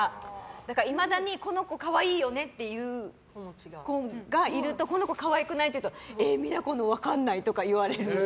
いまだにこの子可愛いよねっていう子がいるとこの子可愛くない？っていうとＭＩＮＡの分かんないっていう。